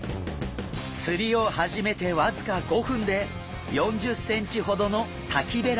釣りを始めて僅か５分で４０ｃｍほどのタキベラをゲット！